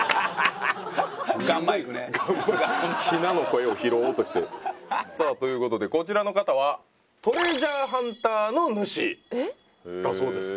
ガンマイクねヒナの声を拾おうとしてさあということでこちらの方はトレジャーハンターの主だそうです